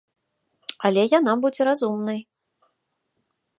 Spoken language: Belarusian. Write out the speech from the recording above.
Але яна будзе разумнай.